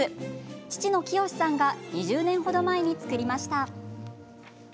父の清さんが２０年程前に作りました。